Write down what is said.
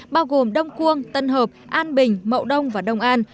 bao gồm đông cuông tân hợp an bình mậu đông và đông an